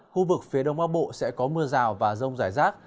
khu vực phía đông bắc bộ sẽ có mưa rào và rông rải rác